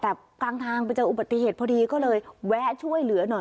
แต่กลางทางไปเจออุบัติเหตุพอดีก็เลยแวะช่วยเหลือหน่อย